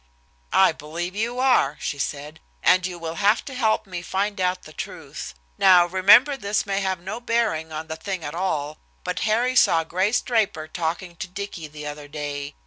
"I believe you are," she said, "and you will have to help me find out the truth. Now remember this may have no bearing on the thing at all, but Harry saw Grace Draper talking to Dicky the other day.